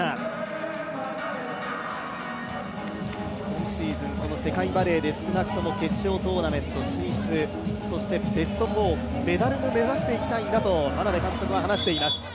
今シーズン、この世界バレーで少なくとも決勝トーナメント進出、そしてベスト４、メダルを目指していきたいんだと眞鍋監督も話しています。